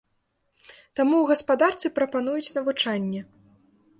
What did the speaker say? Таму ў гаспадарцы прапануюць навучанне.